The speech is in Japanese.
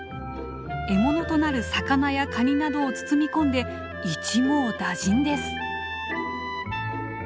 獲物となる魚やカニなどを包み込んで一網打尽です！